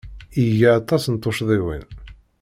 Iga aṭas n tuccḍiwin.